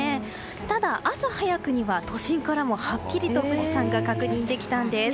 ただ、朝早くには都心からもはっきりと富士山が確認できたんです。